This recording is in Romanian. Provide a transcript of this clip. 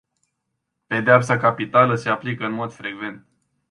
Pedeapsa capitală se aplică în mod frecvent.